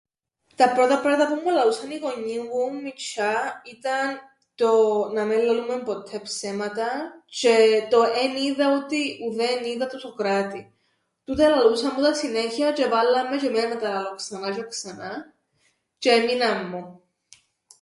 Τα πρώτα πράματα που μου λαλούσαν οι γονιοί μου που ήμουν μιτσ̆ιά ήταν το να μεν λαλούμεν ποττέ ψέματα τζ̆αι το εν' οίδα ότι ούδεν οίδα του Σωκράτη. Τούτα ελαλούσαν μου τα συνέχειαν τζ̆αι εβάλλαν με τζ̆αι εμέναν να τα λαλώ ξανά τζ̆αι ξανά τζ̆αι εμείναν μου.